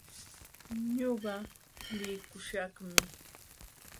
Ñuqa likuśhaqmi.